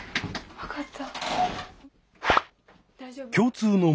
分かった。